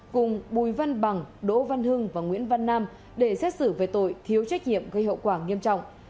cùng bùi văn bằng đỗ văn hưng và nguyễn văn nam để xét xử về tội thiếu trách nhiệm gây hậu quả nghiêm trọng